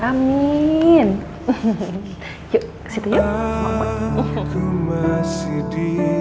kasian lo mama sendsirian